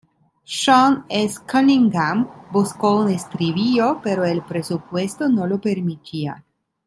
Sean S. Cunningham buscó un estribillo, pero el presupuesto no lo permitiría.